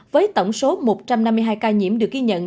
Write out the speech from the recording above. với tổng số một trăm năm mươi hai ca nhiễm được ghi nhận